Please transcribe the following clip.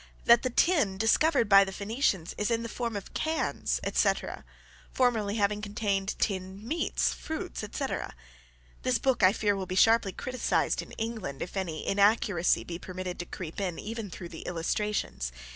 that the tin discovered by the Phoenicians is in the form of cans, etc., formerly having contained tinned meats, fruits, etc. This book, I fear, will be sharply criticised in England if any inaccuracy be permitted to creep in, even through the illustrations.